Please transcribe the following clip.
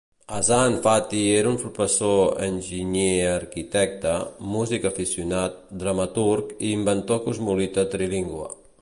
Hassan Fathy era un professor-enginyer-arquitecte, músic aficionat, dramaturg i inventor cosmopolita trilingüe.